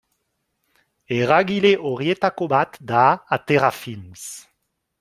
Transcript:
Eragile horietako bat da Atera Films.